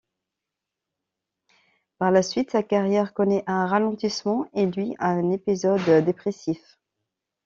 Par la suite, sa carrière connait un ralentissement et lui, un épisode dépressif.